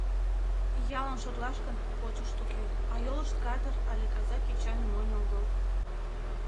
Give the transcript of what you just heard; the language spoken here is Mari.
Иялан шотлаш гын, почышт уке, а йолышт кадыр але каза кӱчан монь огыл.